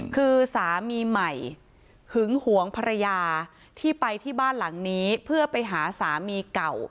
คือสามีใหม่หึงหวงภรรยาที่ไปที่บ้านหลังนี้เพื่อไปหาสามีเก่า